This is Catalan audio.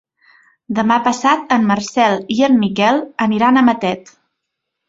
Demà passat en Marcel i en Miquel aniran a Matet.